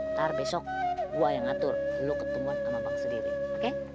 ntar besok gua yang ngatur lo ketemuan sama bang sendiri oke